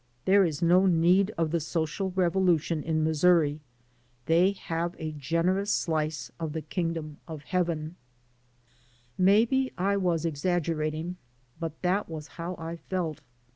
There is no need of the social revolution in Missouri; they have a generous slice of the kingdom of heaven." I AN AMERICAN IN THE MAKING Maybe I was exaggerating, but that was how I felt.